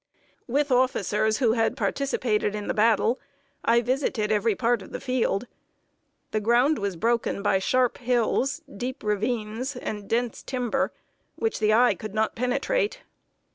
With officers who had participated in the battle, I visited every part of the field. The ground was broken by sharp hills, deep ravines, and dense timber, which the eye could not penetrate.